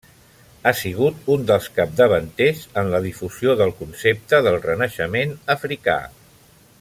Ha sigut un dels capdavanters en la difusió del concepte del Renaixement Africà.